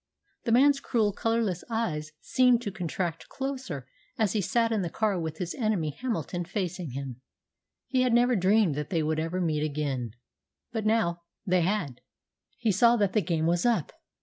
The man's cruel, colourless eyes seemed to contract closer as he sat in the car with his enemy Hamilton facing him. He had never dreamed that they would ever meet again; but, now they had, he saw that the game was up.